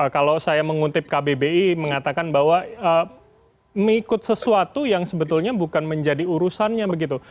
kalau saya mengutip kbbi mengatakan bahwa mengikut sesuatu yang sebetulnya bukan menjadi urusannya begitu